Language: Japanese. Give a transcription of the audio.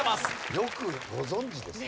よくご存じですね。